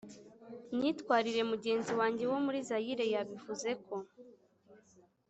myitwarire mugenzi wanjye wo muri zaire yabivuze ko